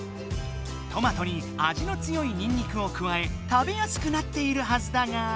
トマトに味の強いにんにくをくわえ食べやすくなっているはずだが。